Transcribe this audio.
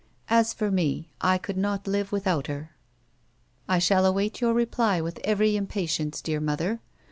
As for me, I could not live without her. " I shall await your reply with every impatience, dear mother.